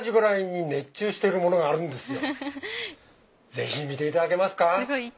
ぜひ見ていただけますか？